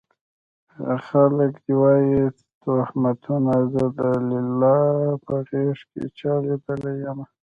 خلک دې وايي تُهمتونه زه د ليلا په غېږ کې چا ليدلی يمه